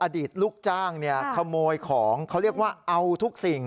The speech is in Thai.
อดีตลูกจ้างเนี่ยขโมยของเขาเรียกว่าเอาทุกสิ่ง